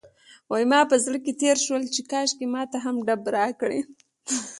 زما په زړه کې تېر شول چې کاشکې ماته هم ډب راکړي.